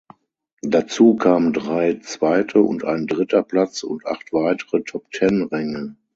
Dazu kamen drei zweite und ein dritter Platz und acht weitere Top-Ten-Ränge.